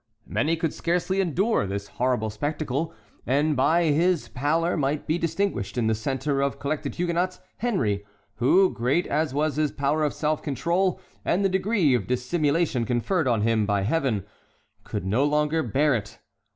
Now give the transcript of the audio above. Many could scarcely endure this horrible spectacle, and by his pallor might be distinguished, in the centre of collected Huguenots, Henry, who, great as was his power of self control and the degree of dissimulation conferred on him by Heaven, could no longer bear it.